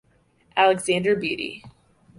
Alexander Beatty.